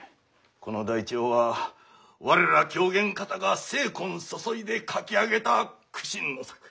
この台帳は我ら狂言方が精魂注いで書き上げた苦心の作。